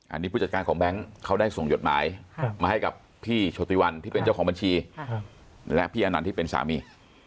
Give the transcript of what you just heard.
อันนี้ผู้จัดการของแบงค์เขาได้ส่งหยดหมายมาให้กับพี่โชติวันที่เป็นเจ้าของบัญชีและพี่อนันต์ที่เป็นสามี